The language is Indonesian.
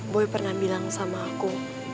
boy pernah bilang sama aku